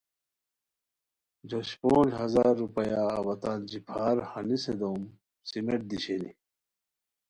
جوش پونج ہزار روپیہ اوا تان جیپھار ہنیسے دوم، سیمنٹ دی شینی